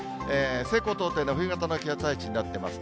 西高東低の冬型の気圧配置になってます。